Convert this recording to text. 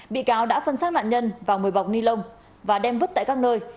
bị cáo đã phân xác nạn nhân vào mồi bọc ni lông và đem vứt tại các nơi